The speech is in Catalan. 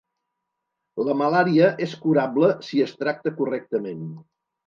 La malària és curable si es tracta correctament.